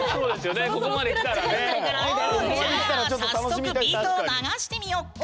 じゃあ早速ビートを流してみよっか！